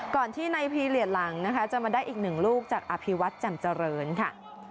ก่อนที่ในพีเหลียดหลังนะคะจะมาได้อีกหนึ่งลูกจากอภิวัตรแจ่มเจริญค่ะ